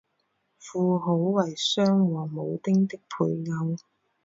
妇好为商王武丁的配偶。